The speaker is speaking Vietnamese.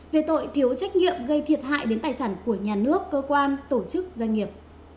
về tội thiếu trách nhiệm gây thiệt hại đến tài sản của nhà nước cơ quan tổ chức doanh nghiệp